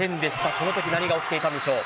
このとき何が起きていたんでしょう？